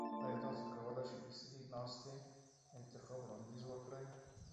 ایا تاسو کولی شئ د صحي ناستي انتخاب وړاندیز وکړئ؟